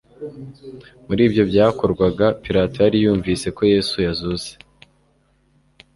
Muri ibyo byakorwaga, Pilato yari yunvise ko Yesu yazutse.